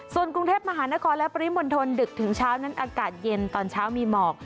ส่วนกรุงเทพมหานครและปริมณฑลดึกถึงเช้านั้นอากาศเย็นตอนเช้ามีหมอก